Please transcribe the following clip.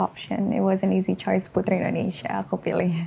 itu adalah pilihan yang mudah untuk putri indonesia aku pilih